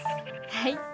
はい。